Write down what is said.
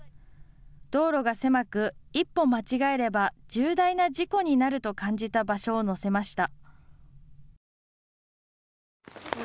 道路が狭く、一歩間違えれば重大な事故になると感じた場所を載せました。